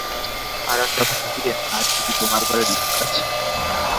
হারানবাবু কহিলেন, আজ বুঝি তোমার ঘরে লোক আছে?